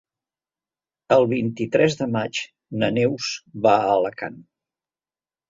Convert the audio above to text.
El vint-i-tres de maig na Neus va a Alacant.